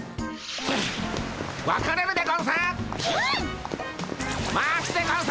分かれるでゴンス！